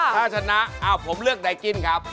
ถ้าชนะผมเลือกไดกินครับ